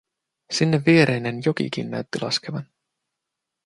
Sinne viereinen jokikin näytti laskevan.